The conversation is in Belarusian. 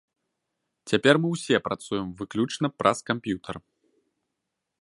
Цяпер мы ўсе працуем выключна праз камп'ютар.